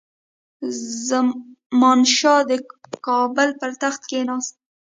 زمانشاه د کابل پر تخت کښېناست.